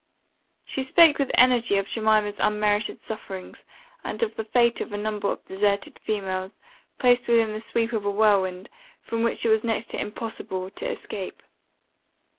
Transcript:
She spoke with energy of Jemima's unmerited sufferings, and of the fate of a number of deserted females, placed within the sweep of a whirlwind, from which it was next to impossible to escape.